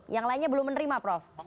yang lainnya belum menerima prof